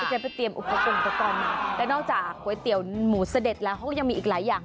เจ๊ไปเตรียมอุปกรณ์มาและนอกจากก๋วยเตี๋ยวหมูเสด็จแล้วเขาก็ยังมีอีกหลายอย่าง